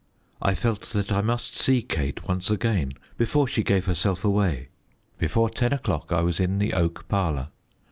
I felt that I must see Kate once again before she gave herself away. Before ten o'clock I was in the oak parlour.